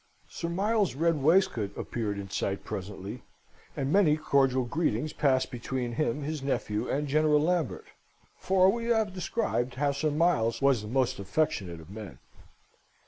Sir Miles's red waistcoat appeared in sight presently, and many cordial greetings passed between him, his nephew, and General Lambert: for we have described how Sir Miles was the most affectionate of men.